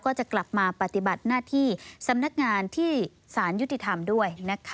ก็จะกลับมาปฏิบัติหน้าที่สำนักงานที่สารยุติธรรมด้วย